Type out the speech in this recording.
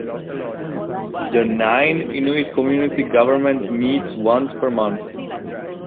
The Nain Inuit Community Government meets once per month.